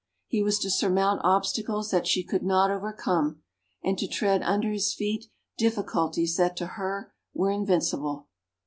He was to surmount obstacles that she could not overcome, and to tread under his feet difficulties that to her were invincible.